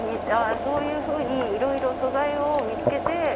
そういうふうにいろいろ素材を見つけて。